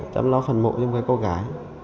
chăm lo phần mộ cho mấy cô gái